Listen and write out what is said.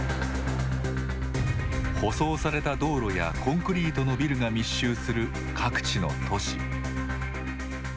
舗装された道路やコンクリートのビルが密集する各地の都市。